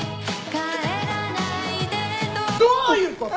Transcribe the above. どういうこと！？